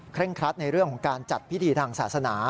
ครัดในเรื่องของการจัดพิธีทางศาสนา